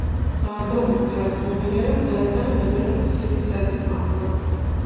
დოკუმენტურად ცნობილია, რომ ზარაფხანა მდებარეობდა სიონის ტაძრის მახლობლად.